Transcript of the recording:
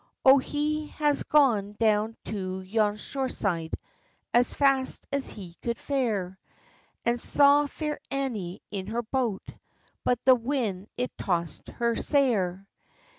O he has gone down to yon shore side, As fast as he could fare; He saw Fair Annie in her boat, But the wind it tossd her sair.